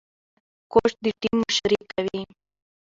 کوچ د ټيم مشري کوي.